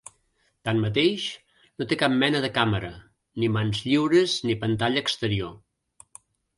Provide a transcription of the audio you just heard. Tanmateix, no té cap mena de càmera, ni mans lliures ni pantalla exterior.